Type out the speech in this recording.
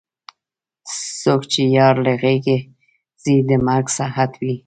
څوک چې یار له غېږې ځي د مرګ ساعت وي.